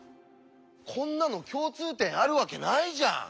こんなの共通点あるわけないじゃん！